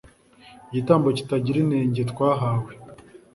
igitambo kitagira inenge twahawe